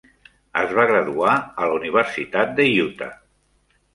Es va graduar a la Universitat de Utah.